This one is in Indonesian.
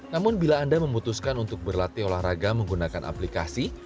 namun bila anda memutuskan untuk berlatih olahraga menggunakan aplikasi